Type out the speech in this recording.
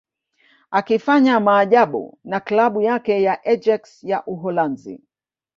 akifanya maajabu na klabu yake ya Ajax ya Uholanzi